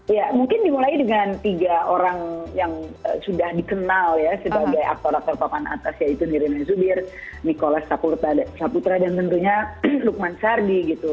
ya mungkin dimulai dengan tiga orang yang sudah dikenal ya sebagai aktor aktor papan atas yaitu nirin zubir nikolas saputra dan tentunya lukman sardi gitu